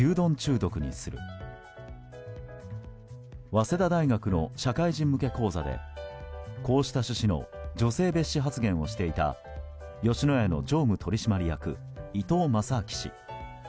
早稲田大学の社会人向け講座でこうした趣旨の女性蔑視発言をしていた吉野家の常務取締役伊東正明氏。